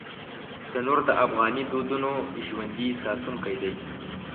تنور د افغاني دودونو ژوندي ساتونکی دی